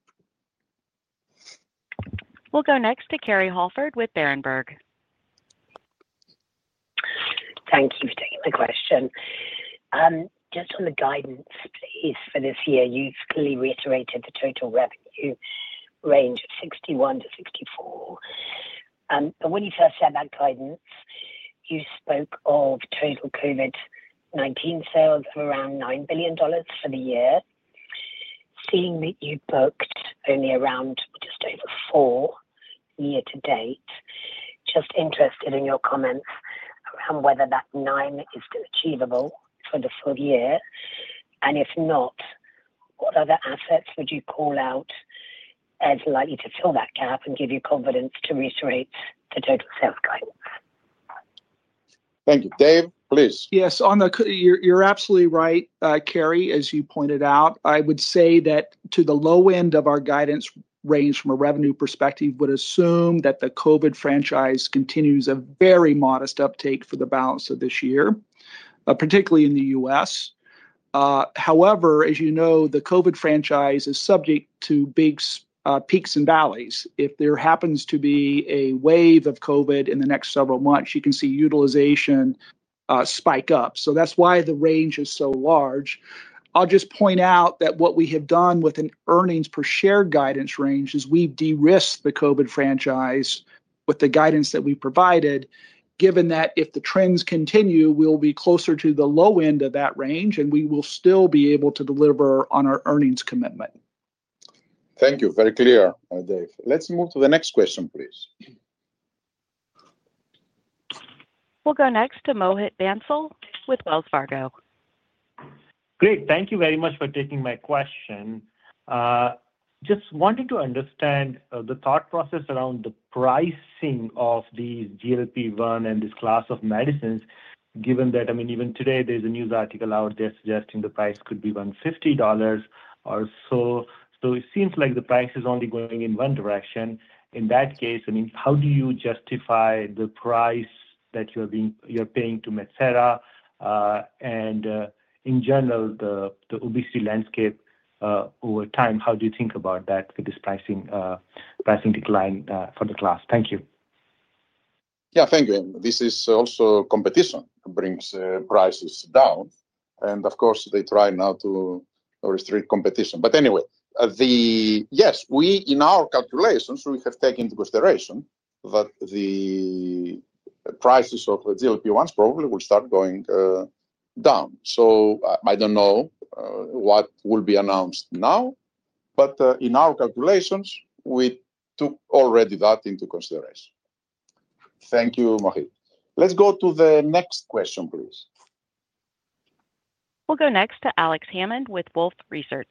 We'll go next to Kerry Holford with Berenberg. Thank you for taking the question. Just on the guidance, please, for this year, you've clearly reiterated the total revenue range of $61 billion-$64 billion. And when you first said that guidance, you spoke of total COVID-19 sales of around $9 billion for the year, seeing that you booked only around just over $4 billion year to date. Just interested in your comments around whether that $9 billion is achievable for the full year. And if not, what other assets would you call out as likely to fill that gap and give you confidence to reiterate the total sales guidance? Thank you. Dave, please. Yes. You're absolutely right, Kerry, as you pointed out. I would say that to the low end of our guidance range from a revenue perspective, we would assume that the COVID franchise continues a very modest uptake for the balance of this year, particularly in the U.S. However, as you know, the COVID franchise is subject to big peaks and valleys. If there happens to be a wave of COVID in the next several months, you can see utilization spike up. So that's why the range is so large. I'll just point out that what we have done with an earnings per share guidance range is we've de-risked the COVID franchise with the guidance that we provided, given that if the trends continue, we'll be closer to the low end of that range, and we will still be able to deliver on our earnings commitment. Thank you. Very clear, Dave. Let's move to the next question, please. We'll go next to Mohit Bansal with Wells Fargo. Great. Thank you very much for taking my question. Just wanted to understand the thought process around the pricing of these GLP-1 and this class of medicines, given that, I mean, even today, there's a news article out there suggesting the price could be $150 or so. So it seems like the price is only going in one direction. In that case, I mean, how do you justify the price that you're paying to Metsera? And in general, the obesity landscape over time, how do you think about that with this pricing decline for the class? Thank you. Yeah. Thank you. This is also competition brings prices down. And of course, they try now to restrict competition. But anyway. Yes, in our calculations, we have taken into consideration that the prices of GLP-1s probably will start going down. So I don't know what will be announced now. But in our calculations, we took already that into consideration. Thank you, Mohit. Let's go to the next question, please. We'll go next to Alex Hammond with Wolfe Research.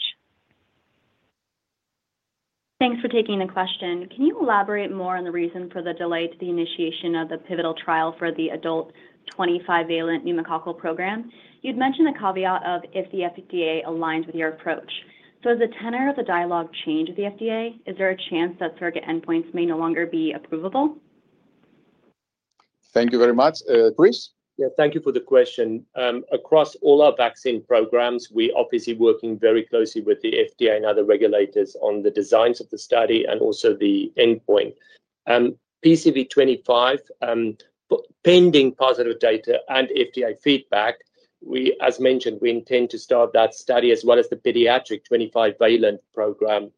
Thanks for taking the question. Can you elaborate more on the reason for the delay to the initiation of the pivotal trial for the adult 25-valent pneumococcal program? You'd mentioned the caveat of if the FDA aligns with your approach. So, has the tenor of the dialogue changed with the FDA? Is there a chance that surrogate endpoints may no longer be approvable? Thank you very much. Chris? Yeah. Thank you for the question. Across all our vaccine programs, we are obviously working very closely with the FDA and other regulators on the designs of the study and also the endpoint. PCV25. Pending positive data and FDA feedback. As mentioned, we intend to start that study as well as the pediatric 25-valent program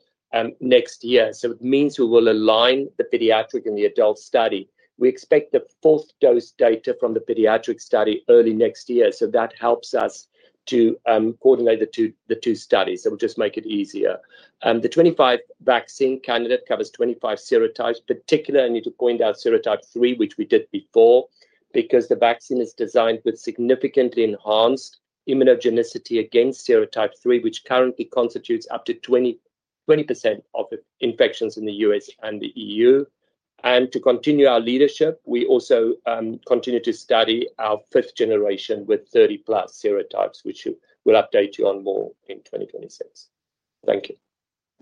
next year. So it means we will align the pediatric and the adult study. We expect the fourth dose data from the pediatric study early next year. So that helps us to coordinate the two studies. So it will just make it easier. The 25 vaccine candidate covers 25 serotypes. Particularly, I need to point out serotype 3, which we did before, because the vaccine is designed with significantly enhanced immunogenicity against serotype 3, which currently constitutes up to 20% of infections in the U.S. and the EU. And to continue our leadership, we also continue to study our fifth generation with 30+ serotypes, which we'll update you on more in 2026. Thank you.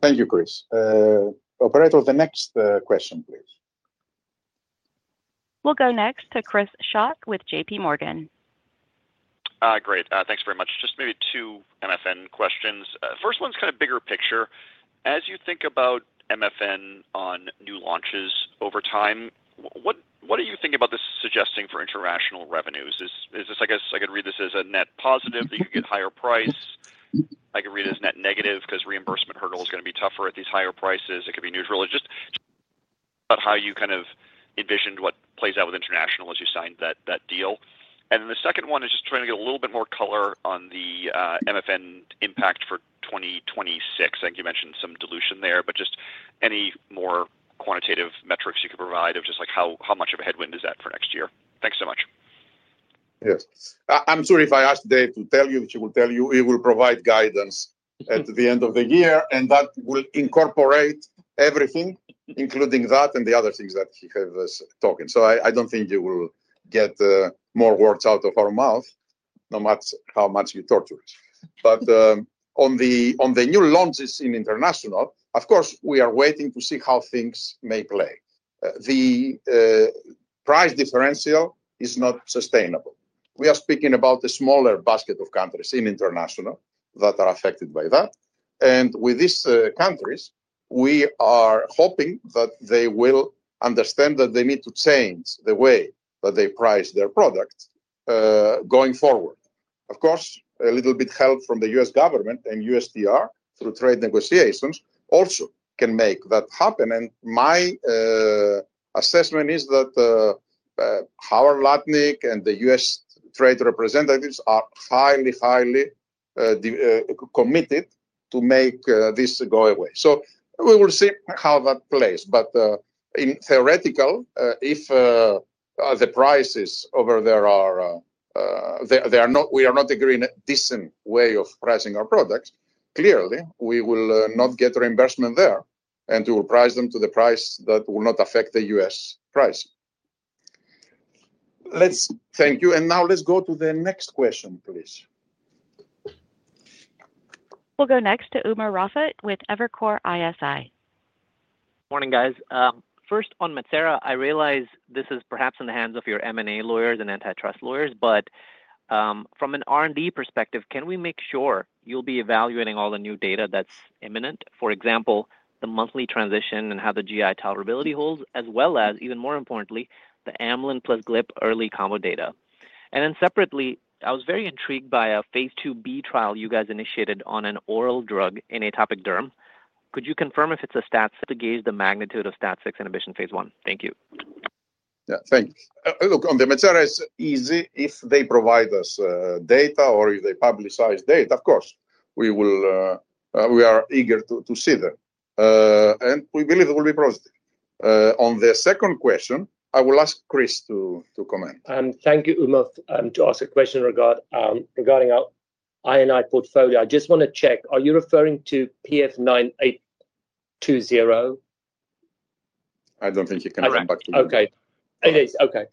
Thank you, Chris. Operator, the next question, please. We'll go next to Chris Schott with JPMorgan. Great. Thanks very much. Just maybe two MFN questions. First one's kind of bigger picture. As you think about MFN on new launches over time, what are you thinking about this suggesting for international revenues? Is this, I guess, I could read this as a net positive that you could get higher price? I could read it as net negative because reimbursement hurdle is going to be tougher at these higher prices. It could be neutral. Just how you kind of envisioned what plays out with international as you signed that deal. And then the second one is just trying to get a little bit more color on the MFN impact for 2026. I think you mentioned some dilution there, but just any more quantitative metrics you could provide of just how much of a headwind is that for next year. Thanks so much. Yes. I'm sorry if I asked Dave to tell you, she will tell you. He will provide guidance at the end of the year, and that will incorporate everything, including that and the other things that he has talked. So I don't think you will get more words out of our mouth, no matter how much you torture us. But on the new launches in international, of course, we are waiting to see how things may play. The price differential is not sustainable. We are speaking about a smaller basket of countries in international that are affected by that. And with these countries, we are hoping that they will understand that they need to change the way that they price their products going forward. Of course, a little bit helped from the U.S. Government and USTR through trade negotiations also can make that happen. And my assessment is that Howard Lutnick and the U.S. trade representatives are highly, highly committed to make this go away. So we will see how that plays. But in theoretical, if the prices over there are we are not agreeing a decent way of pricing our products, clearly, we will not get reimbursement there, and we will price them to the price that will not affect the U.S. price. Let's thank you. And now let's go to the next question, please. We'll go next to Umer Raffat with Evercore ISI. Morning, guys. First, on Metsera, I realize this is perhaps in the hands of your M&A lawyers and antitrust lawyers, but. From an R&D perspective, can we make sure you'll be evaluating all the new data that's imminent? For example, the monthly transition and how the GI tolerability holds, as well as, even more importantly, the amylin plus GLP early combo data. And then separately, I was very intrigued by a phase II-B trial you guys initiated on an oral drug in atopic derm. Could you confirm if it's a [STAT6] to gauge the magnitude of STAT6 inhibition phase I? Thank you. Yeah. Thanks. Look, on the Metsera, it's easy if they provide us data or if they publicize data. Of course, we are eager to see them. And we believe it will be positive. On the second question, I will ask Chris to comment. Thank you, Umer, for the question regarding our INI portfolio. I just want to check. Are you referring to [PF-9820]? I don't think you can come back to that. Okay. It is. Okay.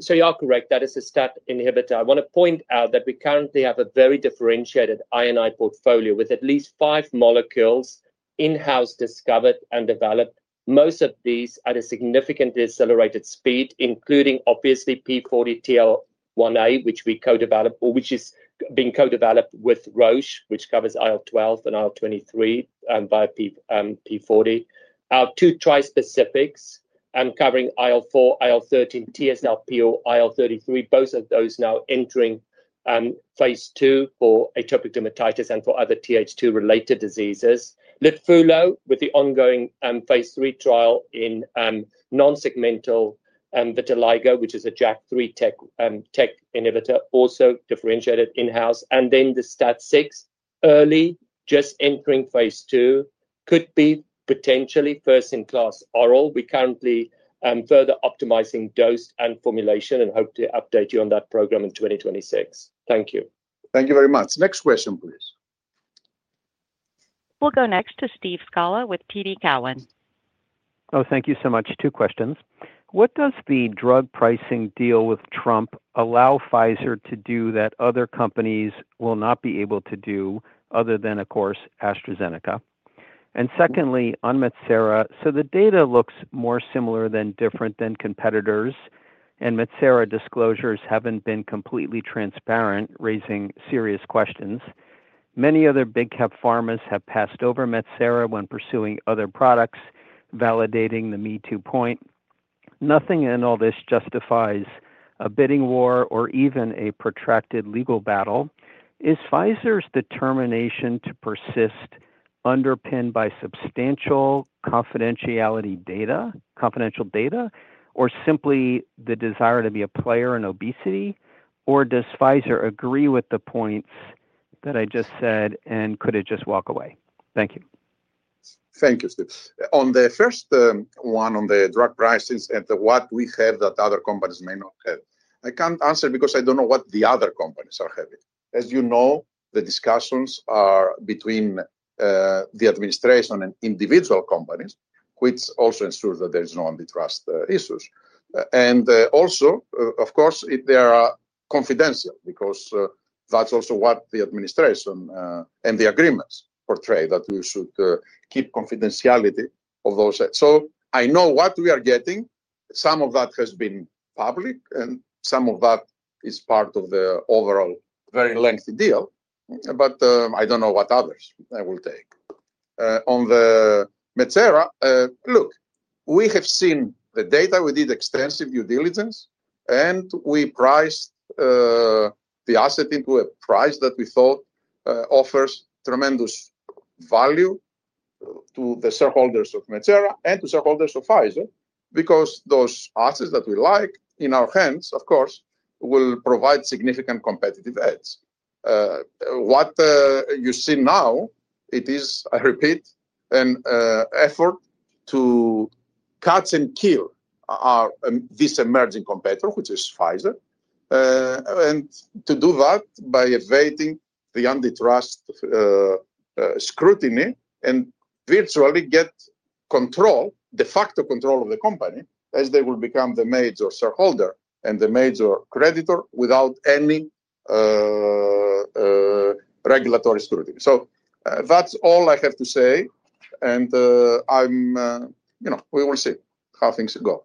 So you are correct. That is a STAT inhibitor. I want to point out that we currently have a very differentiated I&I portfolio with at least five molecules in-house discovered and developed, most of these at a significantly accelerated speed, including, obviously, p40/TL1A, which we co-developed, which is being co-developed with Roche, which covers IL-12 and IL-23 by p40. Our two trispecifics covering IL-4, IL-13, [TSLP], IL-33, both of those now entering phase II for atopic dermatitis and for other TH2-related diseases. LITFULO with the ongoing phase III trial in non-segmental vitiligo, which is a JAK3 tech inhibitor, also differentiated in-house. And then the STAT6 early, just entering phase II, could be potentially first-in-class oral. We're currently further optimizing dose and formulation and hope to update you on that program in 2026. Thank you. Thank you very much. Next question, please. We'll go next to Steve Scala with TD Cowen. Oh, thank you so much. Two questions. What does the drug pricing deal with Trump allow Pfizer to do that other companies will not be able to do other than, of course, AstraZeneca? And secondly, on Metsera, so the data looks more similar than different than competitors, and Metsera disclosures haven't been completely transparent, raising serious questions. Many other big-cap pharmas have passed over Metsera when pursuing other products, validating the me-too point. Nothing in all this justifies a bidding war or even a protracted legal battle. Is Pfizer's determination to persist underpinned by substantial confidential data or simply the desire to be a player in obesity? Or does Pfizer agree with the points that I just said and could it just walk away? Thank you. Thank you, Steve. On the first one, on the drug prices and what we have that other companies may not have, I can't answer because I don't know what the other companies are having. As you know, the discussions are between the administration and individual companies, which also ensures that there is no antitrust issues. And also, of course, they are confidential because that's also what the administration and the agreements portray that we should keep confidentiality of those. So I know what we are getting. Some of that has been public, and some of that is part of the overall very lengthy deal. But I don't know what others will take. On the Metsera, look, we have seen the data. We did extensive due diligence, and we priced. The asset into a price that we thought offers tremendous value to the shareholders of Metsera and to shareholders of Pfizer because those assets that we like in our hands, of course, will provide significant competitive edge. What you see now, it is, I repeat, an effort to. Cut and kill this emerging competitor, which is Pfizer. And to do that by evading the antitrust. Scrutiny and virtually get control, de facto control of the company, as they will become the major shareholder and the major creditor without any. Regulatory scrutiny. So that's all I have to say. And we will see how things go.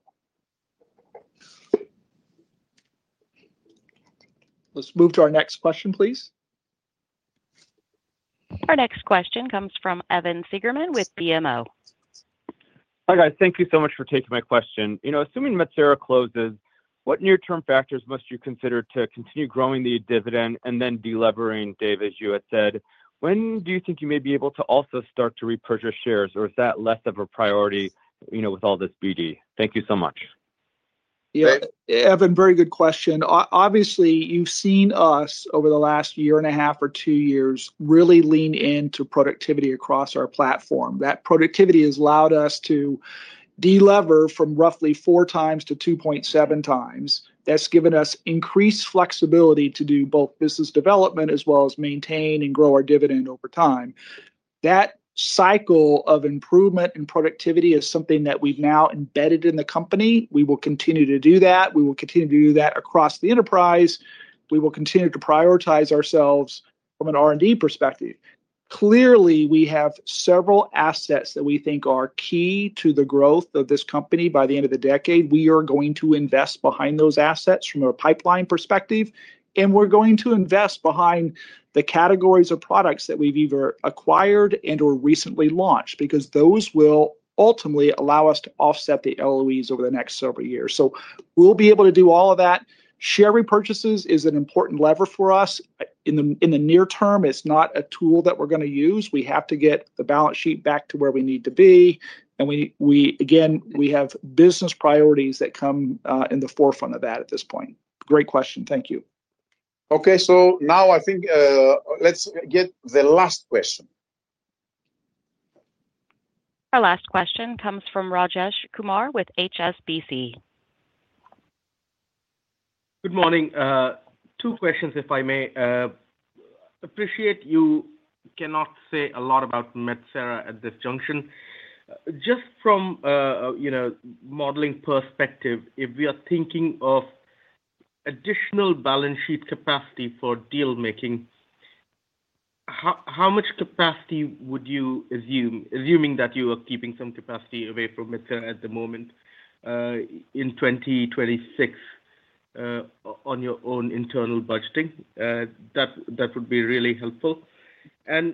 Let's move to our next question, please. Our next question comes from Evan Seigerman with BMO. Hi, guys. Thank you so much for taking my question. Assuming Metsera closes, what near-term factors must you consider to continue growing the dividend and then delevering, Dave, as you had said? When do you think you may be able to also start to repurchase shares, or is that less of a priority with all this BD? Thank you so much. Yeah. Evan, very good question. Obviously, you've seen us over the last year and a half or two years really lean into productivity across our platform. That productivity has allowed us to delever from roughly 4x to 2.7x. That's given us increased flexibility to do both business development as well as maintain and grow our dividend over time. That cycle of improvement and productivity is something that we've now embedded in the company. We will continue to do that. We will continue to do that across the enterprise. We will continue to prioritize ourselves from an R&D perspective. Clearly, we have several assets that we think are key to the growth of this company by the end of the decade. We are going to invest behind those assets from a pipeline perspective, and we're going to invest behind the categories of products that we've either acquired and/or recently launched because those will ultimately allow us to offset the LOEs over the next several years. So we'll be able to do all of that. Share repurchases is an important lever for us. In the near term, it's not a tool that we're going to use. We have to get the balance sheet back to where we need to be. And again, we have business priorities that come in the forefront of that at this point. Great question. Thank you. Okay. So now I think. Let's get the last question. Our last question comes from Rajesh Kumar with HSBC. Good morning. Two questions, if I may. Appreciate you cannot say a lot about Metsera at this juncture. Just from a modeling perspective, if we are thinking of additional balance sheet capacity for deal-making. How much capacity would you assume, assuming that you are keeping some capacity away from Metsera at the moment. In 2026 on your own internal budgeting? That would be really helpful. And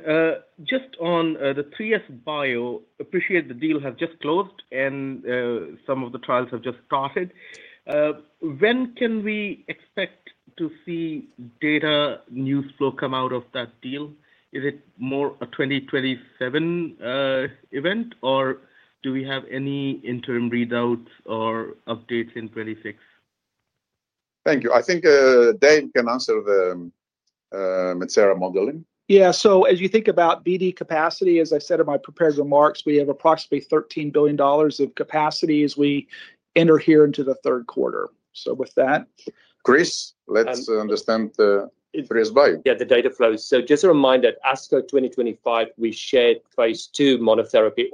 just on the 3SBio, appreciate the deal has just closed and some of the trials have just started. When can we expect to see data news flow come out of that deal? Is it more a 2027 event, or do we have any interim readouts or updates in 2026? Thank you. I think Dave can answer the Metsera modeling. Yeah so as you think about BD capacity, as I said in my prepared remarks, we have approximately $13 billion of capacity as we enter here into the third quarter. So with that. Chris, let's understand the 3SBio. Yeah, the data flow. So just a reminder, ASCO 2025, we shared phase II monotherapy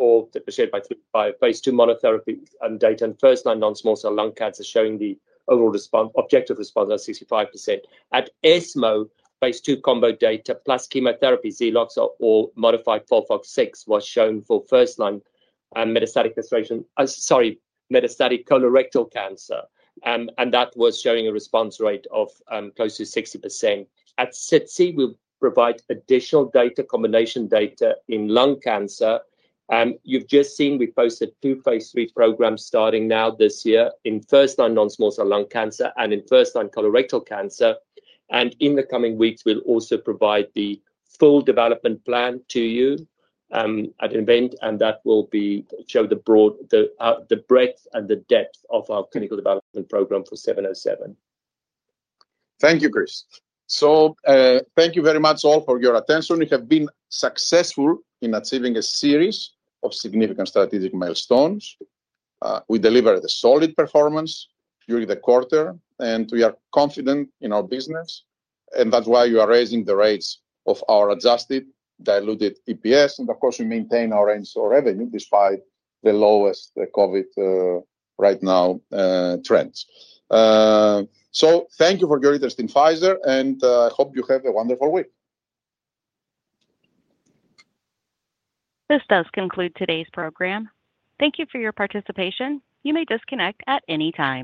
data. And first-line non-small cell lung cancer showing the overall objective response at 65%. At ESMO, phase II combo data plus chemotherapy XELOX or modified FOLFOX6 was shown for first-line metastatic colorectal cancer. And that was showing a response rate of close to 60%. At SITC, we provide additional data, combination data in lung cancer. You've just seen we posted two phase III programs starting now this year in first-line non-small cell lung cancer and in first-line colorectal cancer. And in the coming weeks, we'll also provide the full development plan to you at an event, and that will show the breadth and the depth of our clinical development program for 707. Thank you, Chris. So thank you very much all for your attention. We have been successful in achieving a series of significant strategic milestones. We delivered a solid performance during the quarter, and we are confident in our business. And that's why we are raising our guidance for our adjusted diluted EPS. And of course, we maintain our midpoint revenue despite the lower COVID-related trends right now. So thank you for your interest in Pfizer, and I hope you have a wonderful week. This does conclude today's program. Thank you for your participation. You may disconnect at any time.